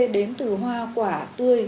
đến từ hoa quả tươi